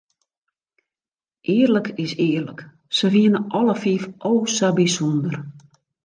Earlik is earlik, se wienen alle fiif o sa bysûnder.